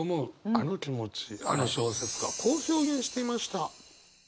あの気持ちあの小説家はこう表現していました。